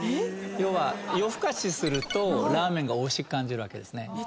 要は夜更かしするとラーメンがおいしく感じるわけですね。